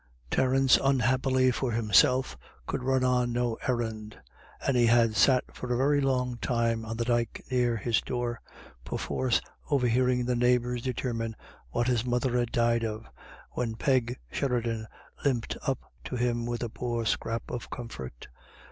Terence, unhappily for himself, could run on no errand ; and he had sat for a very long time on the dyke near his door, perforce overhearing the neigh bours determine what his mother had died of, when Peg Sheridan limped up to him with a poor scrap of comfort.